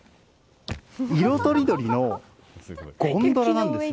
色とりどりのゴンドラなんですね。